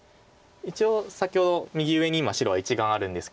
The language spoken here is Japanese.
一応先ほど右上に今白は１眼あるんですけど。